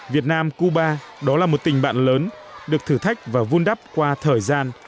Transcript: việt nam cuba đó là một tình bạn lớn được thử thách và vun đắp qua thời gian